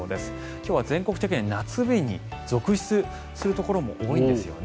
今日は全国的に夏日が続出するところも多いんですよね。